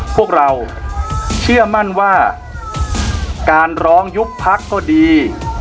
พวกเราเชื่อมั่นว่าการร้องยุบพักก็ดี